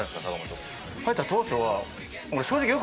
入った当初は。